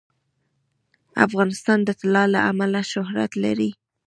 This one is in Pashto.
افغانستان د طلا له امله شهرت لري.